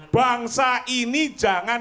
bangsa ini jangan